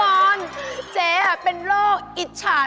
อับเฉา